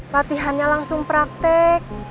latihannya langsung praktek